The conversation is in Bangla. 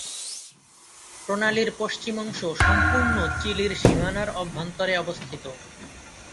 প্রণালীর পশ্চিম অংশ সম্পূর্ণ চিলির সীমানার অভ্যন্তরে অবস্থিত।